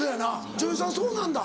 女優さんそうなんだ。